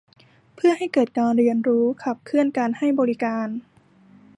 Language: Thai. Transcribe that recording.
เพื่อให้เกิดการเรียนรู้ ขับเคลื่อนการให้บริการ